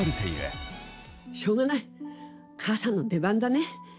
しょうがない母さんの出番だね。